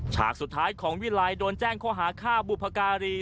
ฉากสุดท้ายของวิลัยโดนแจ้งข้อหาฆ่าบุพการี